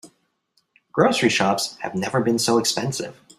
Grocery shops have never been so expensive.